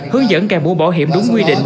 hướng dẫn kẻ bố bảo hiểm đúng quy định